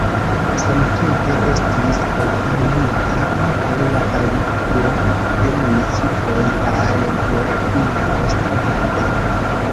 Samtempe estis konfirmita ankaŭ la aligo de municipoj al Moravia Ostrava.